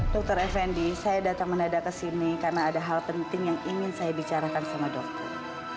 dokter fendi saya datang mendadak ke sini karena ada hal penting yang ingin saya bicarakan sama dokter